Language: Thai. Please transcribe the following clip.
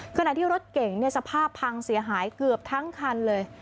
ขณะที่รถเก่งสภาพพังเสียหายเกือบทั้งคันเลย